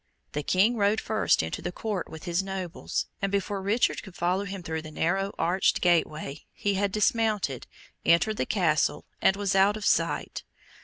The King rode first into the court with his Nobles, and before Richard could follow him through the narrow arched gateway, he had dismounted, entered the Castle, and was out of sight.